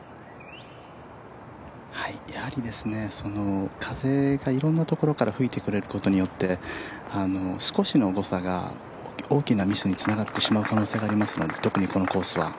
はい、風がいろんなところから吹いてくることによって少しの誤差が大きなミスにつながってしまう可能性がありますので、特にこのコースは。